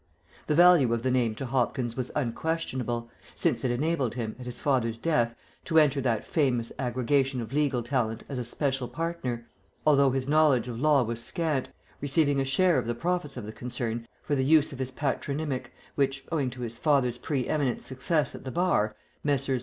The value of the name to Hopkins was unquestionable, since it enabled him, at his father's death, to enter that famous aggregation of legal talent as a special partner, although his knowledge of law was scant, receiving a share of the profits of the concern for the use of his patronymic, which, owing to his father's pre eminent success at the Bar, Messrs.